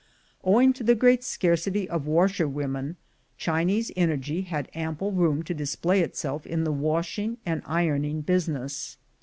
Owing to the great scarcity of washerwomen, Chinese energy had ample room to display itself in the washing and ironing business.